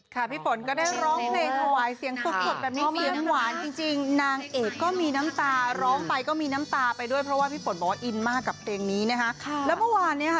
พี่ฝนก็ได้ร้องเพลงถวายเสียงสดแบบนี้เสียงหวานจริงจริงนางเอกก็มีน้ำตาร้องไปก็มีน้ำตาไปด้วยเพราะว่าพี่ฝนบอกว่าอินมากกับเพลงนี้นะคะแล้วเมื่อวานเนี้ยค่ะ